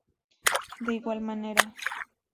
De igual manera.